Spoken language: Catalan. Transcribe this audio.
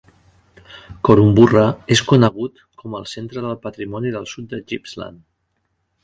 Korumburra és conegut com el "Centre del Patrimoni del Sud de Gippsland".